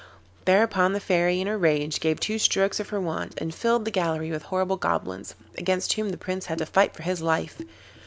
Thereupon the Fairy, in a rage, gave two strokes of her wand and filled the gallery with horrible goblins, against whom the Prince had to fight for his life.